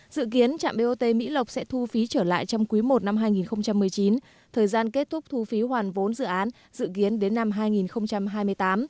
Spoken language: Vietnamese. dự kiến trạm bot mỹ lộc sẽ thu phí trở lại trong quý i năm hai nghìn một mươi chín thời gian kết thúc thu phí hoàn vốn dự án dự kiến đến năm hai nghìn hai mươi tám